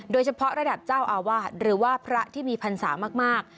โดยเฉพาะระดับเจ้าอาวาสหรือว่าพระที่มีพรรษามาก